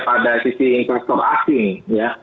pada sisi investor asing ya